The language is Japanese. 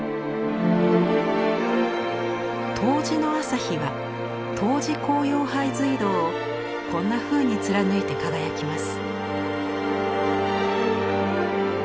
冬至の朝日は冬至光遥拝隧道をこんなふうに貫いて輝きます。